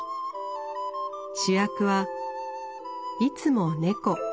主役はいつも猫。